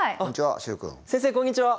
先生こんにちは。